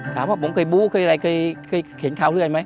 ถามว่าผมเคยบู้เคยเห็นขาวเลือดไหม